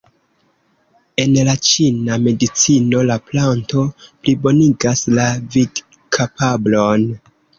En la ĉina medicino la planto plibonigas la vidkapablon.